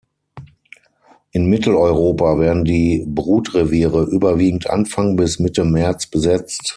In Mitteleuropa werden die Brutreviere überwiegend Anfang bis Mitte März besetzt.